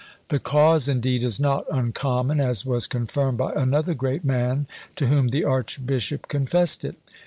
The cause, indeed, is not uncommon, as was confirmed by another great man, to whom the archbishop confessed it.